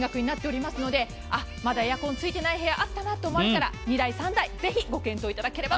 まだエアコンついていない部屋があったなと思ったら２台、３台ぜひご検討していただけたら。